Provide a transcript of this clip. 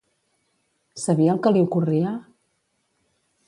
Sabia el que li ocorria?